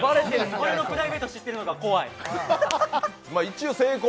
俺のプライベートを知ってるのが怖い。